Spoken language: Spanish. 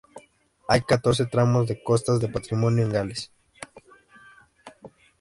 Hay catorce tramos de costas de patrimonio en Gales.